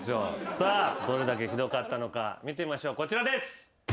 さあどれだけひどかったのか見てみましょうこちらです。